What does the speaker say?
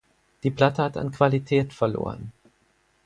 Die Platte hat an Qualität verloren.